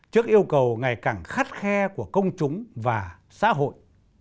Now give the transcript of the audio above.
trước yêu cầu ngày càng khắt khe của công chúng và xã hội